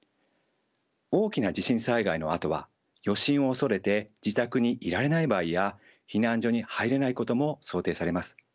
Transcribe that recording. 大きな地震災害のあとは余震を恐れて自宅にいられない場合や避難所に入れないことも想定されます。